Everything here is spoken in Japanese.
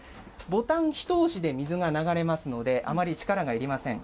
ボタン一押しで水が流れますので、あまり力がいりません。